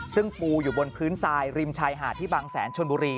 ซึ่งปูอยู่บนพื้นทรายริมชายหาดที่บางแสนชนบุรี